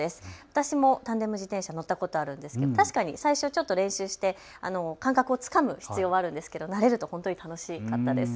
私もタンデム自転車、乗ったことあるんですけど最初、ちょっと練習をして感覚をつかむ必要があるんですけれども慣れると楽しかったです。